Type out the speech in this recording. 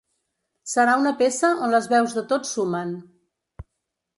Serà una peça on les veus de tots sumen.